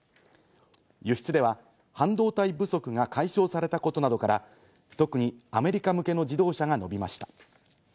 輸出では半導体不足が解消されたことなどから、特にアメリカ向けの自動車が伸びました。